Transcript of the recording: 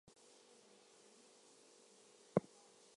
Jacobson had three brothers and two sisters.